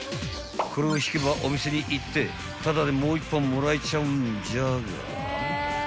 ［これを引けばお店に行ってタダでもう一本もらえちゃうんじゃが］